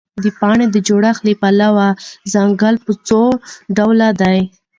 د پاڼو د جوړښت له پلوه ځنګل په څوډوله دی؟